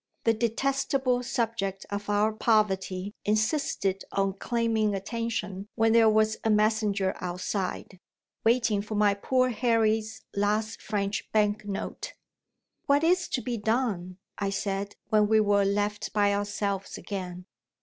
The detestable subject of our poverty insisted on claiming attention when there was a messenger outside, waiting for my poor Harry's last French bank note. "What is to be done?" I said, when we were left by ourselves again.